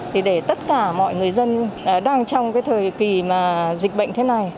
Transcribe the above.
thì để tất cả mọi người dân đang trong cái thời kỳ mà dịch bệnh thế này